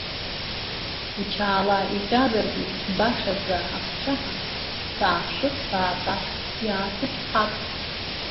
Ичалаа иҟьазаргьы башаӡа аԥсцәаҳа, сааԥшып, саатәап, иаасычҳап.